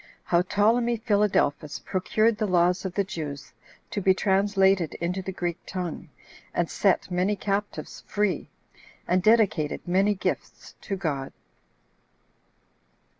How Ptolemy Philadelphus Procured The Laws Of The Jews To Be Translated Into The Greek Tongue And Set Many Captives Free, And Dedicated Many Gifts To God.